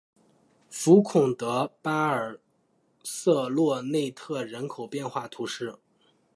福孔德巴尔瑟洛内特人口变化图示